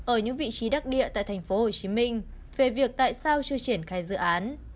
ở những vị trí đắc địa tại tp hcm về việc tại sao chưa triển khai dự án